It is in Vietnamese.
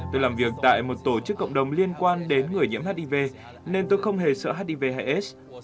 tôi làm việc tại một tổ chức cộng đồng liên quan đến người nhiễm hiv nên tôi không hề sợ hiv hay s